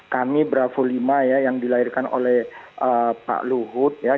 kami bravo lima ya yang dilahirkan oleh pak luhut ya